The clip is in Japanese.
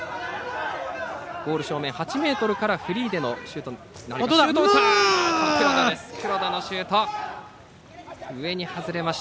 ゴール正面８ｍからフリーでのシュートになります。